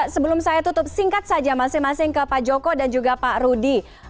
sebelum saya tutup singkat saja masing masing ke pak joko dan juga pak rudi